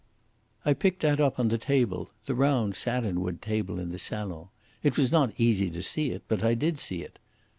"I picked that up on the table the round satinwood table in the salon. It was easy not to see it, but I did see it.